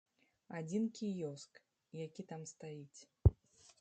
Адзін кіёск, які там стаіць.